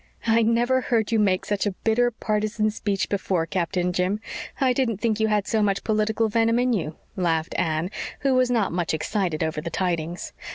"I never heard you make such a bitter partisan speech before, Captain Jim. I didn't think you had so much political venom in you," laughed Anne, who was not much excited over the tidings.